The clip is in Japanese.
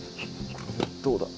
どうだ？